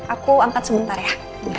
aku angkat sebentar ya